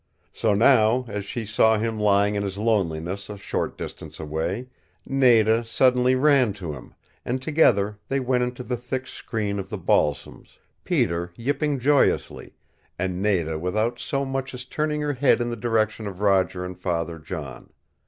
So now, as she saw him lying in his loneliness a short distance away, Nada suddenly ran to him, and together they went into the thick screen of the balsams, Peter yipping joyously, and Nada without so much as turning her head in the direction of Roger and Father John.